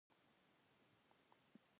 خټکی د عکسونو لپاره هم کارېږي.